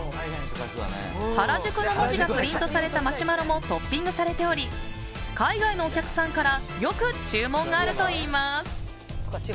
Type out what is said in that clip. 原宿の文字がプリントされたマシュマロもトッピングされており海外のお客さんからよく注文があるといいます。